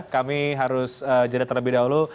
kami harus jeda terlebih dahulu